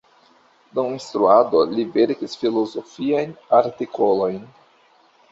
Dum instruado li verkis filozofiajn artikolojn.